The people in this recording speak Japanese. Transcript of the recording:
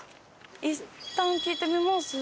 いったん聞いてみます？